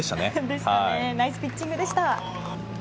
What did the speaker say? ナイスピッチングでした。